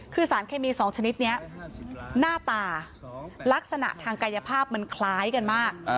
คือสารเคมี๒ชนิดนี้หน้าตาลักษณะทางกายภาพมันคล้ายกันมาก